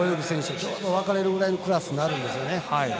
ちょうど分かれるぐらいのクラスになります。